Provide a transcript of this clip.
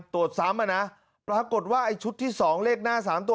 ตรวจซ้ำอ่ะนะปรากฏว่าไอ้ชุดที่๒เลขหน้า๓ตัว